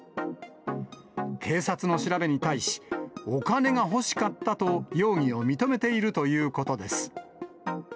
警察の調べに対し、お金が欲しかったと容疑を認めているということです。